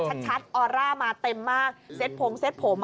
คุณสกายมีชัดโอร่ะมาเต็มมากเซทผมเซทผม